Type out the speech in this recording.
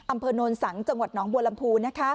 อำเภอโนนสังจังหวัดหนองบัวลำพู